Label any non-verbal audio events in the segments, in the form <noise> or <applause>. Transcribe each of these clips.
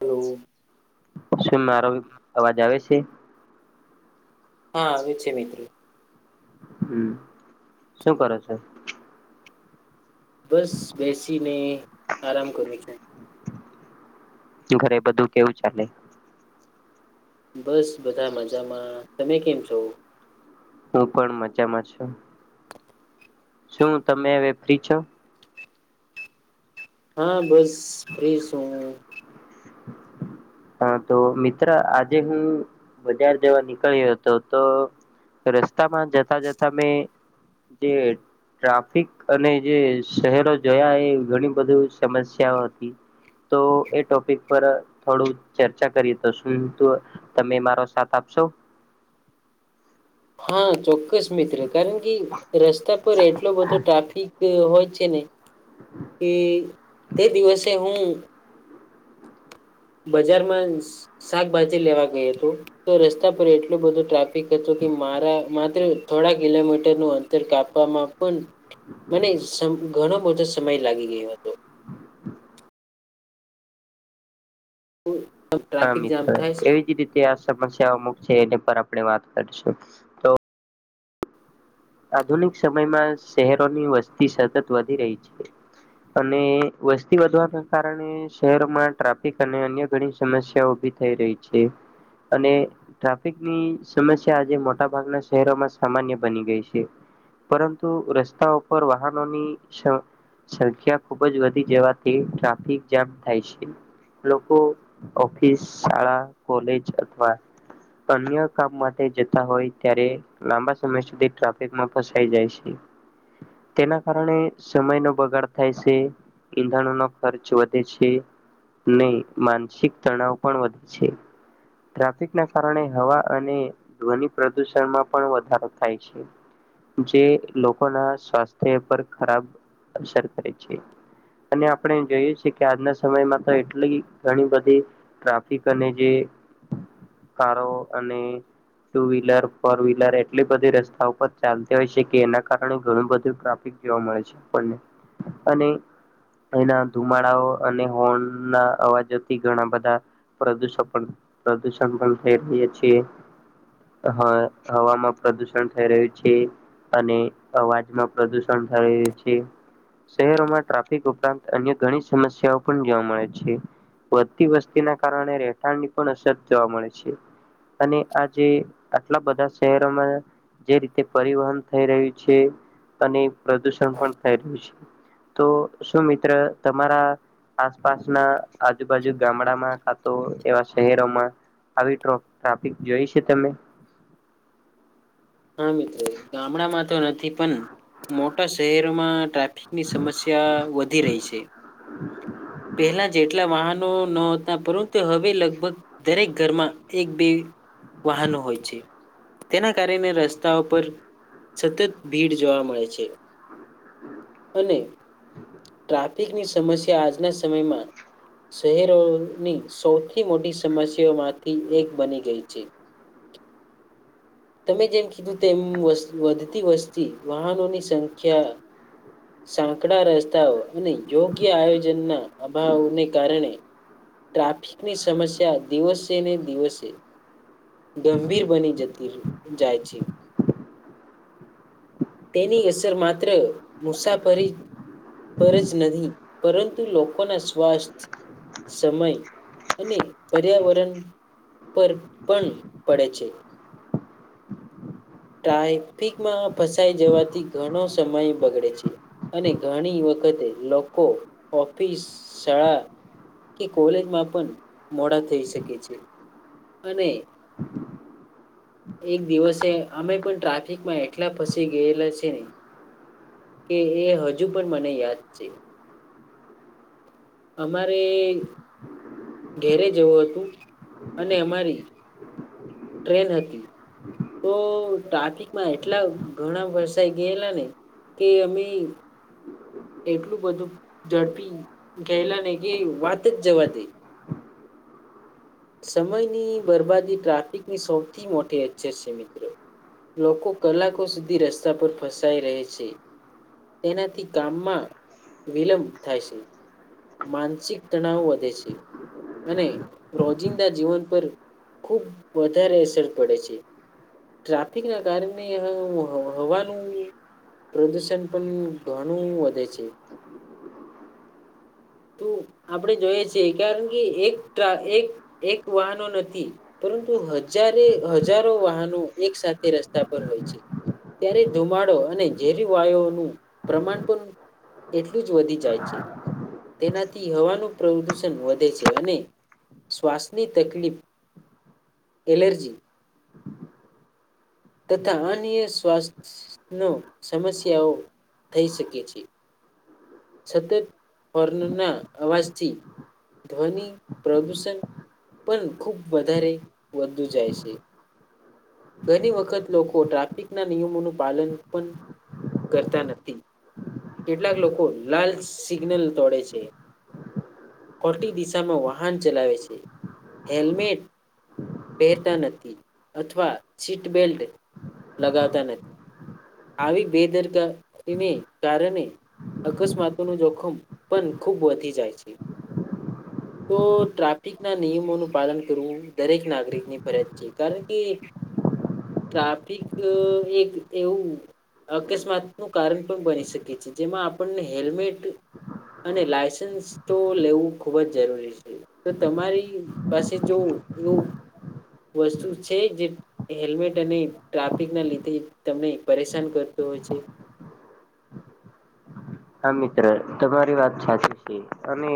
Hello. શું મારો અવાજ આવે છે? હા આવે છે મિત્ર. હમ્મ શું કરો છો? બસ બેસીને આરામ કરું છું. ઘરે બધું કેવું ચાલે? બસ બધા મજામાં. તમે કેમ છો? હું પણ મજામાં છું. શું તમે હવે ફ્રી છો? હા બસ ફ્રી છું. હા તો મિત્ર આજે હું બજાર જવા નીકળ્યો હતો તો રસ્તામાં જતા જતા મેં ટ્રાફિક અને જે શહેરો જોયા એ ઘણી બધી સમસ્યાઓ હતી. તો એ ટોપિક પર થોડું ચર્ચા કરીશું. તો શું તમે મારો સાથ આપશો? હા ચોક્કસ મિત્ર કારણ કે રસ્તા પર એટલો બધો ટ્રાફિક હોય. છે ને એ દિવસે હું. બજારમાં શા શાકભાજી લેવા ગયો તો રસ્તા પર એટલું બધું ટ્રાફિક હતું. મારા માત્ર થોડા કિલોમીટરનું અંતર કાપવામાં પણ મને સં ઘણો બધો સમય લાગી ગયો હતો. હમ્મ. હા મિત્ર એવી જ રીતે આ સમસ <unintelligible> અમુક છે એને પર આપડે વાત કરીશું. તો આધુનિક સમયમાં શહેરોની વસ્તી સતત વધી રહી છે. અને વસ્તી વધવાના કારણે શહેરોમાં ટ્રાફિક અને અન્ય ઘણી સમસ્યાઓ ઊ ભી થઈ રહી છે. અને ટ્રાફિકની સમસ્યા આજે મોટા ભાગના શહેરોમાં સામાન્ય બની ગઈ છે. છે. પરંતુ રસ્તા ઉપર વાહનોની સ સંખ્યા ખુબ જ વધી જવાથી ટ્રાફિક જામ થાય છે. લોકો ઓફિસ, શાળા, કોલેજ અથવા અન્ય કામ માટે જતા હોય ત્યારે લાંબા સમય સુધી ટ્રા ફિકમાં ફસાઈ જાય છે. તેના કારણે સમયનો બગાડ થાય છે. ઈંધણોનો ખર્ચ વધે છે. નહી માનસિક તણાવ પણ વધ છે. ટ્રાફિકના કારણે હવા અને ધ્વનિ પ્રદુષણમાં પણ વધારો થાય છે. જે લોકોના સ્વાસ્થ્ય પર ખરાબ અસર કરે છે. અને આપડે જોઈએ છીએ કે આજના સમયમાં તો એટલી ઘણી બધી ટ્રાફિક અને જે એ કારો અને ટુ વ્હીલર ફોર વ્હીલર એટલી બધી રસ્તા ઉપર ચાલતી હોય છે કે એના કારણે ઘણું બધું ટ્રાફિક જોવા મળે છે આપણને અને એના ધુમાડાઓ અને હોર્નના અવાજોથી ઘણા બધા પ્રદુષણ પ્રદુષણ પણ થઈ રહ્યા છીએ. હા, હવામાં પ્રદુષણ થઈ રહી છે અને અવાજમાં પ્રદુષણ થાય છે. શહેરોમાં ટ્રાફિક ઉપરાંત અન્ય ઘણી સમસ્યાઓ પણ જોવા મળે છે. વધતી વસ્તીના કારણે રહેઠાણ ની પણ અસર જોવા મળે છે. અને આજે આટલા બધા શહેરોમાં જે રી તે પરિવહન થઈ રહ્યું છે અને પ્રદુષણ પણ થઈ રહ્યું છે. તો શું મિત્ર તમારા આસપાસના આજુબાજુ ગામડામાં કા તો એવા શહેરોમાં આવી ટ્રો-ટ્રાફિક જોઈ છે તમે? હા, મિત્ર ગામડામાં તો નથી પણ મોટા શહેરમાં ની સમસ્યા વધી રહી છે. પહેલા જેટલા વાહન નો નહોતા પરંતુ હવે લગભગ દરેક ઘરમાં એક બે વાહનો હોય છે. તેના કારણે રસ્તાઓ પર સતત ભીડ જોવા મળે છે. અને ટ્રાફિકની સમસ્યા આજના સમયમાં શહેરોની સૌથી મોટી સમસ્યાઓમાંથી એક બની ગઈ છે. તમે જેમ કીધું તેમ વધતી વસ્તી, વાહનોની સંખ્યા સાંકડા રસ્તાઓ, અને યોગ્ય આયોજનના અભાવોને કારણે ટ્રાફિકની સમસ્યા દિવસે ને દિવસે ગંભીર બની જતી જાય છે. તેની અસર માત્ર મુસાફરી પર જ નહીં, પરંતુ લોકોના સ્વાસ્થ સમય અને પર્યાવરણ પર પન પડે છે. ટ્રાયફિકમાં ફસાઈ જવાથી ઘણો સમય બગડે છે. અને ઘણી વખતે લોકો ઓફિસ, શાળા કે કોલેજમાં પણ મોડા થઈ શકે છે. અને એક દિવસે અમે પણ ટ્રાફિકમાં એટલા ફસી ગયેલા છે ને કે એ હજુ પણ મને યાદ છે. અમારે ઘેરે જેવું હતું અને અમારી ટ્રેન હતી. તો ટ્રાફિકમાં એટલા ઘણા ફસાઈ ગયેલા ને. કે અમેં એટલું બધું ઝડપી ગહેલા ને કે વાત જ જવા દે. સમયની બરબાદી ટ્રાફિકની સૌથી મોટી અછર છે મિત્ર. લોકો કલાકો સુધી રસ્તા પર ફસાઈ રહે છે. તેનાથી કામમાં વિલંબ થાય છે માનસિક તણાવ વધે છે. અને રોજિંદા જીવન પર ખુબ વધારે અસર પડે છે. ટ્રાફિક ના કારણે હવાનું પ્રદૂષણ પણ ઘણું વધે છે. તો આપડે જોઈએ છીએ કારણ કે એક ટ્રા એક એક વાહનો નથી. પરંતુ હજારે હજારો વાહનો એક સાથે રસ્તા પર હોય છે. ત્યારે ધુમાડો અને ઝેરી વાયુનું પ્રમાણ પણ એટલું જ વધી જાય છે તેનાથી હવાનું પ્રદૂષણ વધે છે અને શ્વાસની તકલીફ એલર્જી તથા અન્ય સ્વાસ્થ્ય નું સમસ્યાઓ. થઈ શકે છે. સતત હોર્નના અવાજથી. ધ્વનિ પ્રદુષણ. પણ ખુબ વધારે વધુ જાય છે. ઘણી વખત લોકો ટ્રાફિક ના નિયમોનું પાલન પણ. કરતા નથી કેટલાક લોકો લાલ સિગ્નલ તોડે છે. ખોટી દિશામાં વાહન ચલાવે છે હેલ્મેટ. પહેરતા નથી અથવા સીટ બેલ્ટ લગાવતા નથી. આવી બેદરકારીને કારણે. અકસ્માતો નું જોખમ પણ ખૂબ વધી જાય છે. <inaudible> તો ટ્રાફિક ના નિયમોનું પાલન કરવું દરેક નાગરિકની ફરજ છે કારણ કે <inaudible> ટ્રાફિક એ એક એવું અકસ્માત નું કારણ પણ બની શકે છે જેમાં આપણને હેલ્મેટ. અને લાયસન્સ તો લેવું ખુબ જ જરૂરી છે તો તમારી પાસે જો એવું વસ્તુ છે જે હેલ્મેટ અને ટ્રાફિક ના લીધે તમને પરેશાન કરતુ હોય છે. <inaudible> હા મિત્ર તમારી વાત સાચી છે અને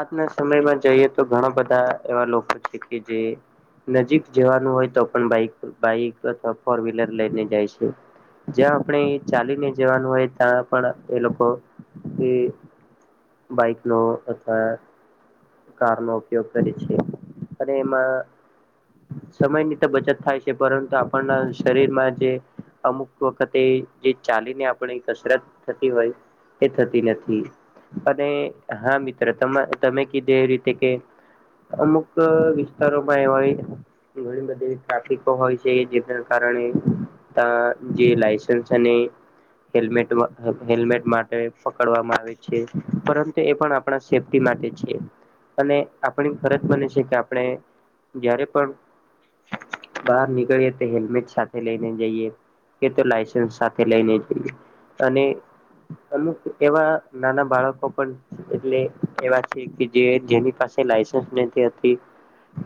આજના સમયમાં જઈએ તો ઘણા બધા એવા લોકો છે કે જે નજીક જવાનું હોય તો પણ બાઈક બાઈક અથવા ફોર વ્હીલર લઈને જાય છે. જ્યાં આપડે ચાલીને જવાનું હોય ત્યાં પણ. એ લોકો એ બાઈક નો અથવા કારનો ઉપયોગ કરી છે અને એમાં. સમયની તો બચત થાય છે પરંતુ આપણના શરીરમાં જે. અમુક વખતે જે ચાલીને આપડે કસરત થતી હોય. એ થતી નથી અને હા મિત્ર તમે કીધું એ રીતે કે અમુક વિસ્તારોમાં એવા ઘણી બધી ટ્રાફિકો હોય છે જેના કા રણે તા જે લસન્સ અને હેલમેટ વા હેલમેટ માટે પકડવામાં આવે છે પરંતુ એ પણ આપડા સેફ્ટીમા ટે છે અને આપણી ફરજ બને છે કે આપણે જારે પણ બહાર નીકળીએ તો હેલ્મેટ સાથે લઈને જઈએ. એ તો લાયસન્સ સાથે લઈને જઈએ. અને અમુક એવા નાના બાળકો પણ એટલે એવા છે કે જે જેની પાસે લાઈસન્સ નથી હતી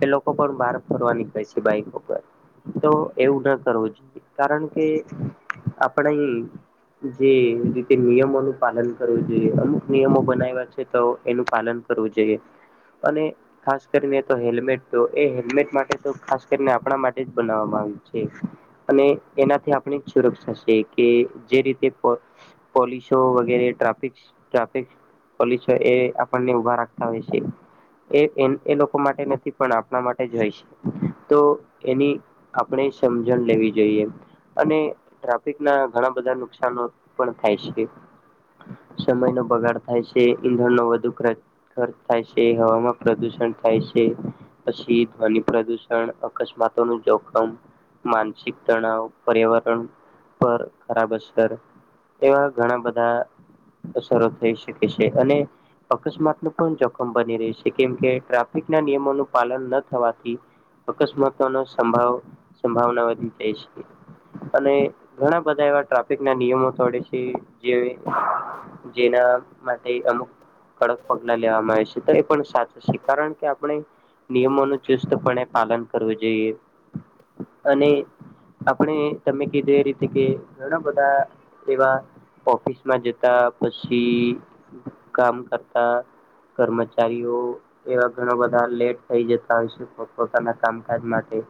એ લોકો પણ બહાર ફરવા નીકળે છે બાઈક ઉપર. તો એવું ના કરવું જોઈએ. કારણ કે આપણે અહિં જે રીતે નિયમોનું પાલન કરવું જોઈએ, અમુક નિયમો બનાયવા છે તો એનું પાલન કરવું જોઈએ. અને ખાસ કરીને તો હેલ્મેટ તો એ હેલ્મેટ માટે તો ખાસ કરીને આપણા માટે જ બનાવવામાં આ વે છે. અને એનાથી આપણે એક સુરક્ષા છે કે જે રીતે <unintelligible> પોલીસો વગેરે ટ્રાફિક ટ્રાફિક પોલીસો એ આપણને ઉભા રાખ આવે છે. એ એન લોકો માટે નથી પણ આપણા માટે જ હોય છે. તો એની આપણે સમજણ લેવી જોઈએ. અને ટ્રાફિક ના ઘણા બધા નુકશાનો પણ થાય છે. સમય નો બગાડ થાય છે, ઈંધણનો વધુ <unintelligible> ખર્ચ થાય છે, હવામાં પ્રદુષણ થાય છે, પછી ધ્વનિ પ્રદુષણ, અકસ્માત તોનું જોખમ, માનસિક તણાવ, પર્યાવરણ પર ખરાબ અસર એવા ઘણા બધા અસરો થઈ શકે છે. અને અકસ્માત નો પણ જોખમ બની રહી છે, કેમ કે ટ્રાફિક ના નિયમોનું પાલન ન થવાથી અકસ્માતો નો સંભાવ સંભાવના વધી જાય છે. અને ઘણા બધા એવા ટ્રાફિક ના નિયમો તોડે છે જે જેના માટે અમુક કડક પગ લાં લેવામાં આવે છે, તો એ પણ સાચું છે, કારણ કે આપણે નિયમોનું ચુસ્તપણે પાલન કરવું જોઈએ. અને આપણે તમે કીધું એ રીતે કે ઘણા બધા એવા ઓફિસમાં જતા, પછી કામ કરતા કર્મચારીઓ એવા ઘણા બધા લેટ થઈ જતા હોય છે પોતપોતાના કામકાજ માટે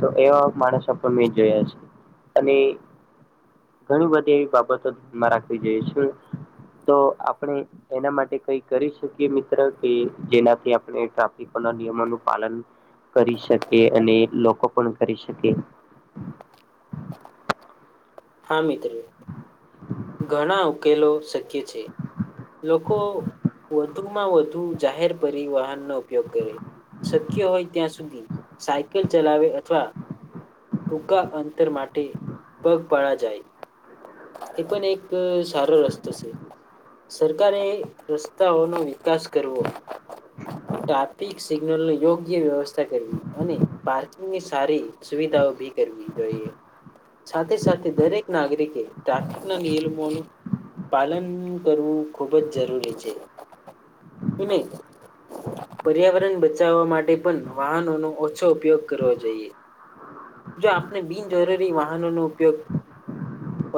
તો એવા માણસો પણ મેં જોયા છે. અને ઘણી બધી એવી બાબતો માં રાખવી જોઈએ છે. તો આપણે એના માટે કાઈ કરી શ કીએ મિત્ર કે જેનાથી આપણે ટ્રાફિક ના નિયમો નું પાલન કરી શકે, અને લોકો પણ કરી શકે. <inaudible> હા મિત્ર. ઘણા ઉકેલો શક્ય છે. લોકો <unintelligible> વધુમાં વધુ જાહેર પરિવહાનનો ઉપયોગ કરે શક્ય હોય ત્યાં સુધી સાયકલ ચલાવે અથવા ટૂંકા અંતર માટે પગપાળા જાય. એ પન એક સારો રસ્તો સે. સરકારે રસ્તાઓનો વિકાસ કરવો, ટ્રાફિક સિગ્નલ નો યોગ્ય વ્યવસ્થા કરવી, અને પાર્કિંગની સારી સુવિધાઓ ઊભી કરવી જોઈએ. સાથે-સાથે દરેક નાગરિકે <unintelligible> <unintelligible> ના નિયમોનું પાલન કરવું ખૂબ જ જરૂરી છે. <unintelligible> પર્યાવરણ બચાવવા માટે પણ વાહનોનો ઓછો ઉપયોગ કરવો જોઈએ. જો આપણે બિનજરૂરી વાહનોનો ઉપયોગ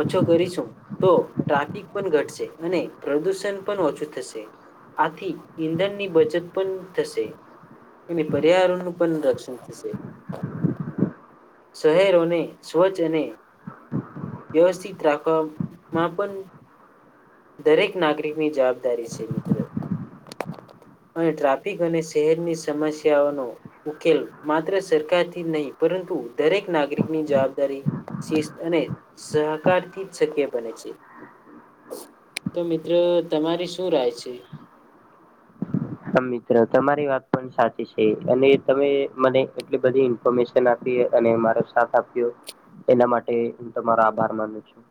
ઓછો કરીશું તો ટ્રાફિક પણ ઘટશે, અને પ્રદુષણ પણ ઓછું થશે. આથી ઈંધણ ની બચત પણ થશે. એની પર્યાવરણ નું પણ રક્ષણ થશે. શહેરોને સ્વચ્છ અને વ્યવસ્થિત રાખવાવામાં પણ દરેક નાગરિકની જવાબદારી છે મિત્ર. અને ટ્રાફિક અને શહેરની સમસ્યાઓનો ઉકેલ માત્ર સરકારથી નહીં પરં તુ દરેક નાગરિક ની જવાબદારી શિસ્ત અને સહકારથી જ શક્ય બને છે. <inaudible> તો મિત્ર તમારી શું રાય છે? હા, મિત્ર તમારી વાત પણ સાચી છે. અને તમે મને એટલી બધી ઇન્ફોર્મેશન આ પી અને મારો સાથ આપ્યો એના માટે હું તમારો આભાર માનું છું.